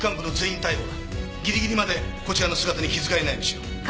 ギリギリまでこちらの姿に気付かれないようにしろ。